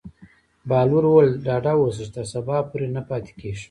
بهلول وویل: ډاډه اوسه چې تر سبا پورې نه پاتې کېږي.